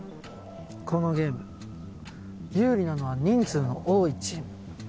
このゲーム有利なのは人数の多いチーム。